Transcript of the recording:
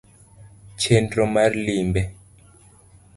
chenro mar limbe: